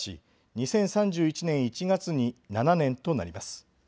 ２０３１年１月に７年となります。